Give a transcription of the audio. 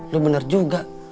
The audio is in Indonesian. lo benar juga